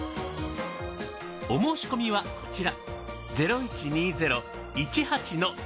お申し込みはこちら。